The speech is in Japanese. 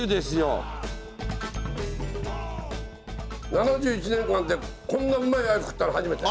７１年間でこんなうまいアユ食ったの初めて！